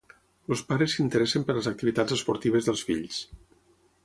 Els pares s'interessen per les activitats esportives dels fills.